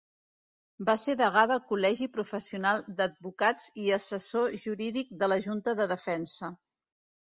Va ser degà del Col·legi Professional d'Advocats i assessor jurídic de la Junta de Defensa.